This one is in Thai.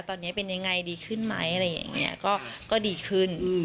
ตอนนี้เป็นยังไงดีขึ้นไหมอะไรอย่างนี้ก็ดีขึ้น